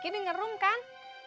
aki denger rum kan